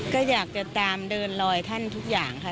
ก็อยากจะตามเดินลอยท่านทุกอย่างค่ะ